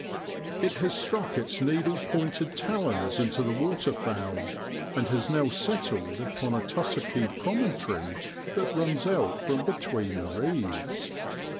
It has struck its needle pointed talons into the water fowl, and has now settled upon a tussocky promontory that runs out from between the reeds.